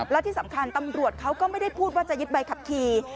และที่สำคัญตำรวจเขาก็ไม่ได้พูดว่าจะยึดใบขับขี่